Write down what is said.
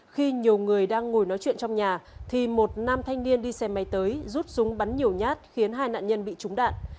khi nhiều người đang ngồi nói chuyện trong nhà thì một nam thanh niên đi xe máy tới rút súng bắn nhiều nhát khiến hai nạn nhân bị trúng đạn